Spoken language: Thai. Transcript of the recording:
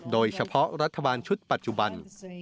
โดยเฉพาะรัฐบาลชุดปัจจุบัน